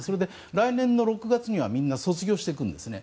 来年６月にはみんな卒業していくんですね。